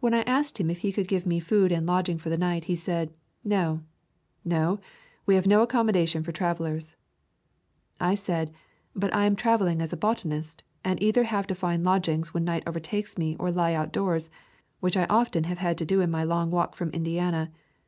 When I asked him if he could give me food and lodging for the night he said, "No, no, we have no accommodations for travelers."' I said, "But I am traveling as a botanist and either have to find lodgings when night overtakes me or lie outdoors, which I often have had to doin my long walk from Indiana.